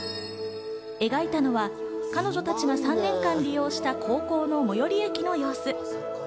描いたのは彼女たちが３年間利用した高校の最寄駅の様子。